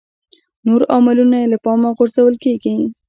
نور عاملونه یې له پامه غورځول کېږي.